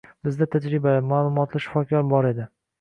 Bizda tajribali, ma'lumotli shifokor bor edi